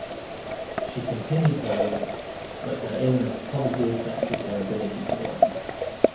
She continued her work, but her illness probably affected her ability to work.